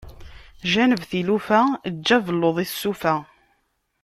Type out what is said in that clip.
Janeb tilufa eǧǧ abelluḍ i tsufa.